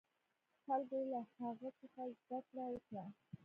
خلکو له هغه څخه زده کړه وکړه.